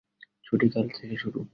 ছুটি কাল থেকে শুরু।